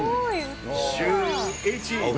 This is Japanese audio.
シューイチ。